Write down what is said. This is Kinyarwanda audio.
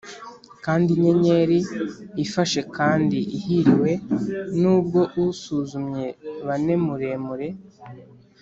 kandi inyenyeri: ifashe kandi ihiriwe, nubwo usuzumye bane muremure